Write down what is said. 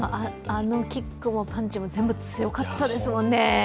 あのキックもパンチも全部強かったですもんね。